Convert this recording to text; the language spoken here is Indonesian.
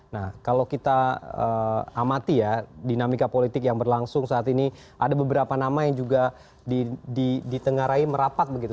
nah kalau kita amati ya dinamika politik yang berlangsung saat ini ada beberapa nama yang juga ditengarai merapat begitu